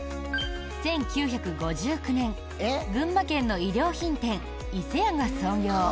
１９５９年、群馬県の衣料品店いせやが創業。